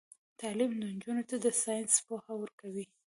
تعلیم نجونو ته د ساينس پوهه ورکوي.